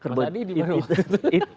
mas adi dimana waktu itu